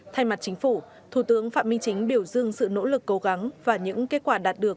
thay mặt chính phủ thủ tướng phạm minh chính biểu dương sự nỗ lực cố gắng và những kết quả đạt được